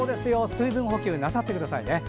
水分補給なさってくださいね。